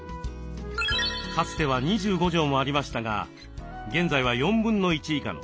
かつては２５畳もありましたが現在は４分の１以下の６畳に。